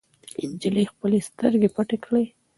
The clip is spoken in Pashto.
نجلۍ خپلې سترګې پټې کړې.